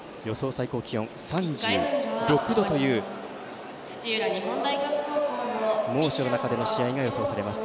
最高気温、３６度という猛暑の中での試合が予想されます。